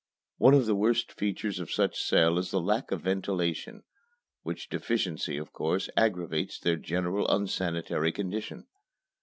One of the worst features of such cells is the lack of ventilation, which deficiency of course aggravates their general unsanitary condition.